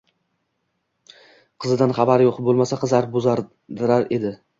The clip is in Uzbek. — Qizidan xabari yo‘q. Bo‘lmasa, qizarib-bo‘zarar edi.